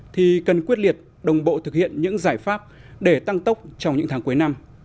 thì cần quyết liệt đồng bộ thực hiện những giải pháp để tăng tốc trong những tháng cuối năm